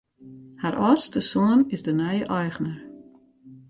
Har âldste soan is de nije eigner.